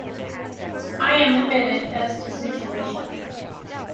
I am limited as to situation.